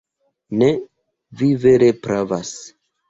Ne, vi vere pravas.